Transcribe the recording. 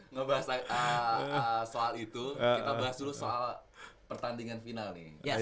ngebahas soal itu kita bahas dulu soal pertandingan final nih